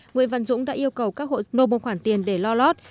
nguyễn văn dũng đã yêu cầu các hộ sno một khoản tiền để lo lót